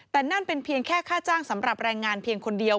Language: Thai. แต่นั่นเป็นเพียงแค่ค่าจ้างสำหรับแรงงานเพียงคนเดียว